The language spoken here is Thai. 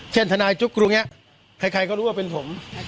เช่นทนายจุ๊บกรูเนี่ยใครก็รู้ว่าเป็นผม